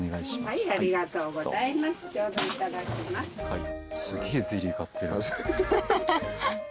はい。